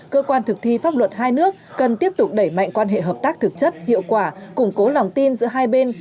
cơ quan thực thi pháp luật hai nước cần tiếp tục đẩy mạnh quan hệ hợp tác thực chất hiệu quả củng cố lòng tin giữa hai bên